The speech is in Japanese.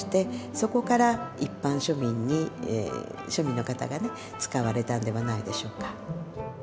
そこから一般庶民に庶民の方が使われたんではないでしょうか。